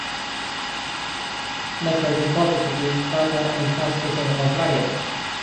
Naturalised populations occur in south-eastern Australia.